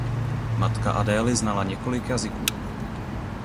Matka Adély znala několik jazyků.